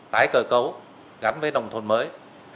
tái cơ cấu gắn với nông thôn mới